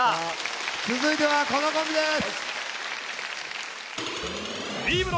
続いてはこのコンビです。